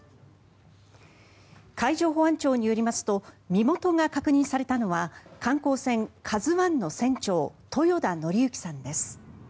海上保安庁によりますと身元が確認されたのは観光船「ＫＡＺＵ１」の船長豊田徳幸さんです。